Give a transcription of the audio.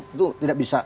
itu tidak bisa